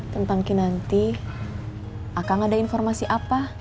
tentang kinanti akan ada informasi apa